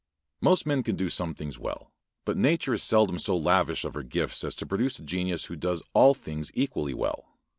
Most men can do some things well, but nature is seldom so lavish of her gifts as to produce a genius who does all things equally well.